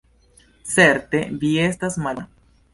Certe vi estas malbona.